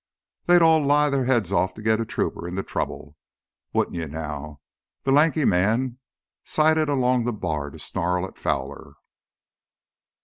They'd all lie their heads off to git a trooper into trouble. Wouldn't you now?" The lanky man sidled along the bar to snarl at Fowler.